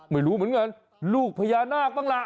ไม่รู้เหมือนกันลูกพญานาคบ้างล่ะ